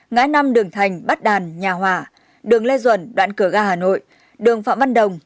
ngã năm đường thành bát đàn nhà hỏa đường lê duẩn đoạn cửa ra hà nội đường phạm văn đồng